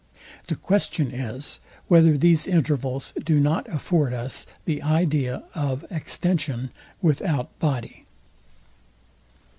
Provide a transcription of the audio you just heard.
The question is, whether these intervals do not afford us the idea of extension without body?